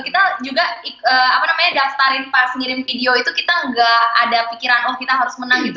kita juga apa namanya daftarin pas ngirim video itu kita gak ada pikiran oh kita harus menang gitu